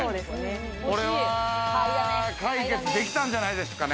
これは解決できたんじゃないですかね。